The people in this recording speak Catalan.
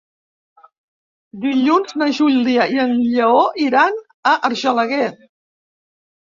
Dilluns na Júlia i en Lleó iran a Argelaguer.